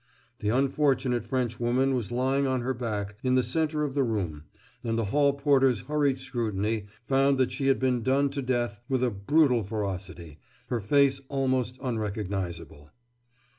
The unfortunate Frenchwoman was lying on her back in the center of the room, and the hall porter's hurried scrutiny found that she had been done to death with a brutal ferocity, her face almost unrecognizable.